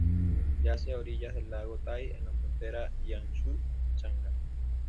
Yace a orillas del lago Tai en la frontera Jiangsu-Shanghái.